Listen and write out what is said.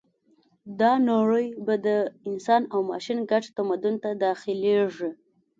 دا نړۍ به د انسان او ماشین ګډ تمدن ته داخلېږي